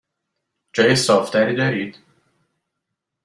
جای صاف تری دارید؟